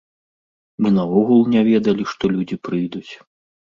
Мы наогул не ведалі, што людзі прыйдуць.